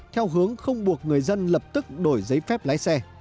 theo hướng không buộc người dân lập tức đổi giấy phép lái xe